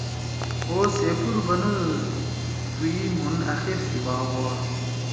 او سیفور بنَدُو تُوئی مھون آخیر سی بھا ہُوا۔